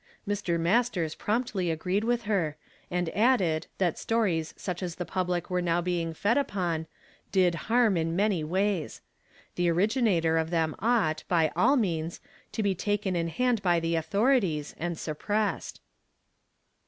Mr. Masters promptly agreed with her, and added, that stories such as the public were now being fed upon, did harm in many ways ; the originator of them ought, by all means, to be nun e \ 206 YESTEIIDAY FHAMKI) I\ TO DAY. sup taken in hand by the authorities, and I)re8sed.